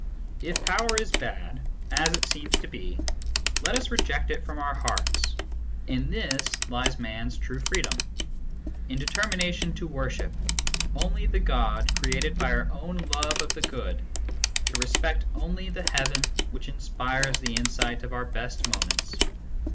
If Power is bad, as it seems to be, let us reject it from our hearts. In this lies Man s true freedom : in determination to worship only the God created by our own love of the good, to respect only the heaven which inspires the insight of our best moments.